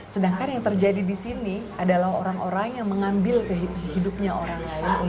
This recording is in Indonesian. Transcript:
sedangkan yang terjadi di sini adalah orang orang yang mengambil hidupnya orang lain